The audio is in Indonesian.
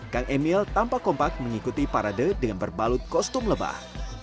kang emil tampak kompak mengikuti parade dengan berbalut kostum lebah